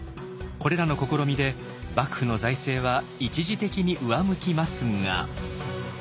これらの試みで幕府の財政は一時的に上向きますが。